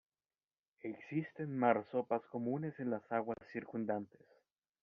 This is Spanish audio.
Existen marsopas comunes en las aguas circundantes.